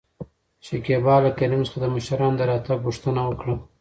شکيبا له کريم څخه د مشرانو د راتګ پوښتنه وکړه.